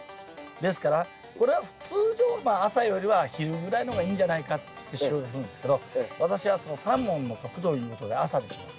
ですからこれは通常は朝よりは昼ぐらいの方がいいんじゃないかって収穫するんですけど私は「三文の徳」ということで朝にします。